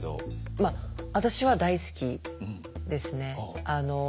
まあ私は大好きですね。